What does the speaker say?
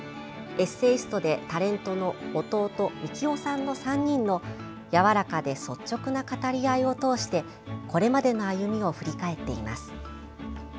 エッセイストでタレントの弟・幹雄さんの３人のやわらかで率直な語り合いを通してこれまでの歩みを振り返っています。